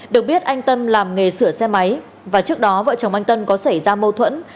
được biết anh tâm làm nghề sửa xe máy và trước đó vợ chồng anh tân có xảy ra mâu thuẫn